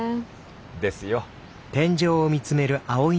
ですよ。